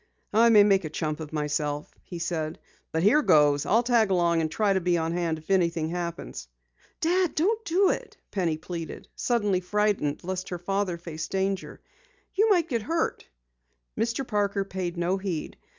"I may make a chump of myself," he said, "but here goes! I'll tag along and try to be on hand if anything happens." "Dad, don't do it!" Penny pleaded, suddenly frightened lest her father face danger. "You might get hurt!" Mr. Parker paid no heed.